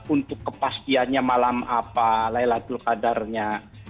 untuk kepastiannya malam apa laylatul qadarnya